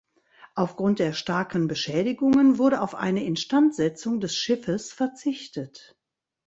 Aufgrund der starken Beschädigungen wurde auf eine Instandsetzung des Schiffes verzichtet.